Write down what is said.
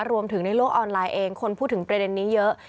ในโลกออนไลน์เองคนพูดถึงประเด็นนี้เยอะ